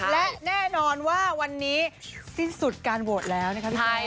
และแน่นอนว่าวันนี้สิ้นสุดการโหวตแล้วนะคะพี่ไทย